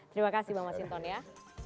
terima kasih bapak mas hinton ya